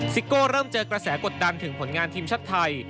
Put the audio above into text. ซิโก้เริ่มเจอกระแสกดดันถึงผลงานทีมชาติไทย